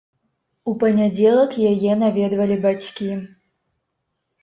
У панядзелак яе наведвалі бацькі.